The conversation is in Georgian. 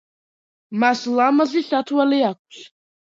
მას ლამაზი სათვალე აქვს.